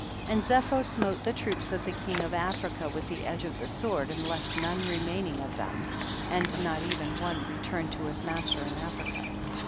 12. And Zepho smote the troops of the king of Africa with the edge of the sword, and left none remain ing of them, and not even one re turned to his master in Africa.